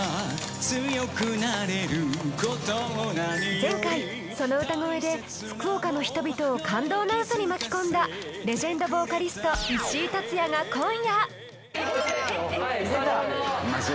前回その歌声で福岡の人々を感動の渦に巻き込んだレジェンドボーカリスト石井竜也が今夜！